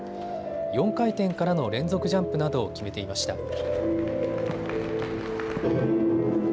４回転からの連続ジャンプなどを決めていました。